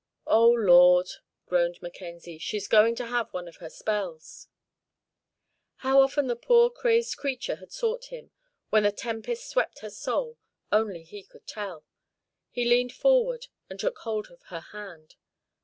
"Oh, Lord," groaned Mackenzie, "she's goin' to have one of her spells!" How often the poor, crazed creature had sought him, when the tempests swept her soul, only he could tell. He leaned forward and took hold of her hand.